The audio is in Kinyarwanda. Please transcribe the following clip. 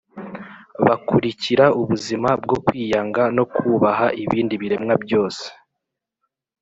bakurikira ubuzima bwo kwiyanga no kubaha ibindi biremwa byose.